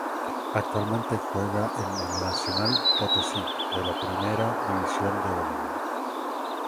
Actualmente juega en el Nacional Potosí de la Primera División de Bolivia.